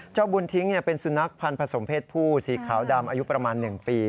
บุญทิ้งเป็นสุนัขพันธ์ผสมเพศผู้สีขาวดำอายุประมาณ๑ปี